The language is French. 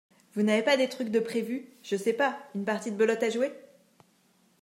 Vous n’avez pas des trucs de prévu, je sais pas, une partie de belote à jouer ?